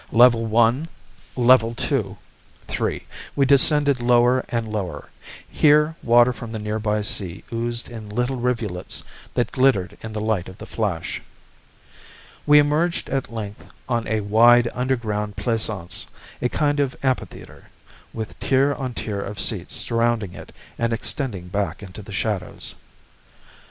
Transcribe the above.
Level one ... level two ... three ... we descended lower and lower. Here water from the nearby sea oozed in little rivulets that glittered in the light of the flash. We emerged at length on a wide underground plaisance, a kind of amphitheater, with tier on tier of seats surrounding it and extending back into the shadows.